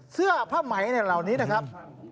เสื้อของผ้าไม้ในเหล่านี้นะครับ